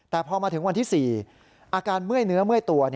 แต่พอมาถึงวันที่๔อาการเมื่อยเนื้อเมื่อยตัว